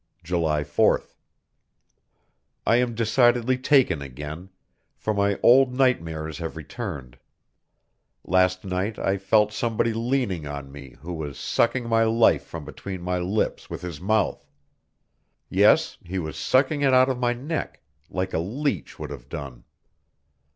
July 4th. I am decidedly taken again; for my old nightmares have returned. Last night I felt somebody leaning on me who was sucking my life from between my lips with his mouth. Yes, he was sucking it out of my neck, like a leech would have done.